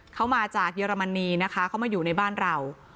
เขามาจากเยอรมนีนะคะเขามาอยู่ในบ้านเรา